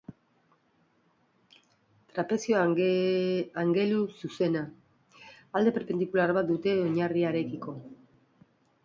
Trapezio angeluzuzena: Alde perpendikular bat dute oinarriarekiko.